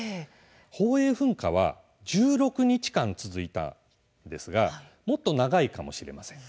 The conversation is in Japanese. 宝永噴火は１６日間続いたんですがもっと長いかもしれません。